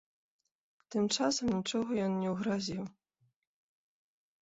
Тым часам нічога ён не ўгразіў.